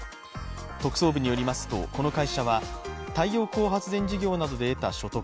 特捜部によりますとこの会社は太陽光発電事業などで得た所得